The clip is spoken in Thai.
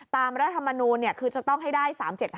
รัฐมนูลคือจะต้องให้ได้๓๗๕